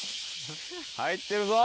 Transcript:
入ってるぞ！